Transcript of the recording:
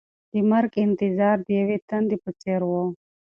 د مرګ انتظار د یوې تندې په څېر و.